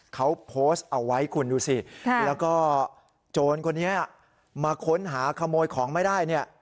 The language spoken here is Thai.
เขาโพสต์เอาไว้คุณดูสิแล้วก็โจรคนนี้มาค้นหาขโมยของไม่ได้เนี่ย